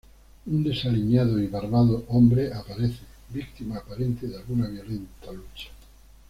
Un desaliñado y barbado hombre aparece, víctima aparente de alguna violenta lucha.